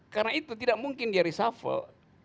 karena itu tidak mungkin dia risalvel